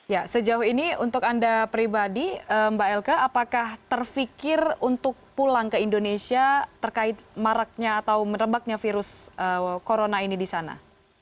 ya sejauh ini untuk anda pribadi mbak elka apakah terfikir untuk pulang ke indonesia terkait maraknya atau merebaknya virus corona ini di sana